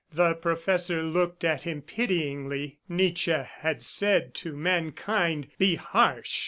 The professor looked at him pityingly. Nietzsche had said to mankind, "Be harsh!"